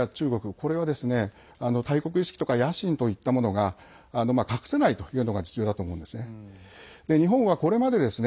これは大国意識とか野心といったものが隠せないというのが実情だと思うんですね。